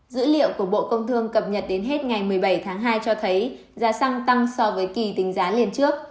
dữ liệu của bộ công thương cập nhật đến hết ngày một mươi bảy tháng hai cho thấy giá xăng tăng so với kỳ tính giá liên trước